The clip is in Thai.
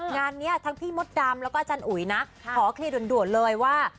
งานนี้ทั้งพี่มดดำแล้วก็อาจารย์อุ๋ยนะขอเคลียร์ด่วนเลยว่า